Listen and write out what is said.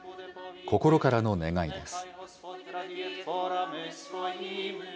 心からの願いです。